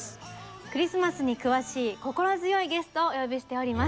クリスマスに詳しい心強いゲストをお呼びしております。